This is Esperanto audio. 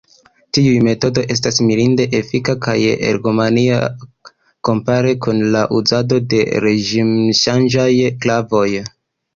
Tiu metodo estas mirinde efika kaj ergonomia kompare kun la uzado de reĝimŝanĝaj klavoj.